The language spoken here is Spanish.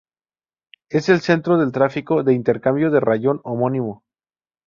Es el centro del tráfico de intercambio del rayón homónimo.